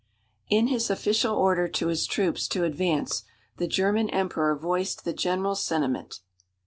In his official order to his troops to advance, the German Emperor voiced the general sentiment.